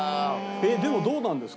えっでもどうなんですか？